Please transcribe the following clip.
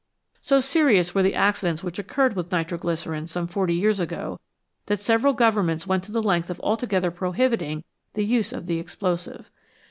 So serious were the accidents which occurred with nitro glycerine some forty years ago that several governments went the length of altogether prohibiting the use of the explosive.